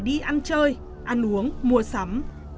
đi ăn chơi ăn uống mua sắm